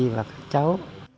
cảm ơn các cháu